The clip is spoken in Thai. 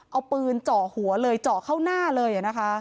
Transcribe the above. เอาปืนเจาะหัวเลยเจาะเข้าหน้าเลยนะคะ